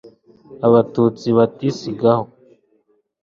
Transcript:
abatutsi bati sigaho